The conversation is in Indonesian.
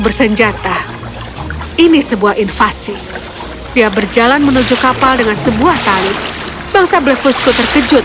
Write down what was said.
bersenjata ini sebuah invasi dia berjalan menuju kapal dengan sebuah tali bangsa blefusku terkejut